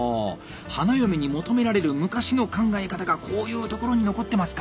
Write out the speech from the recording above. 花嫁に求められる昔の考え方がこういうところに残ってますか。